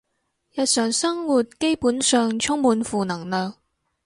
日常生活基本上充滿負能量